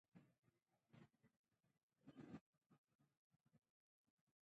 د فضا انځور خلک د ځمکې د طبیعي ښکلا سره آشنا کوي.